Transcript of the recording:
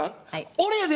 俺やで！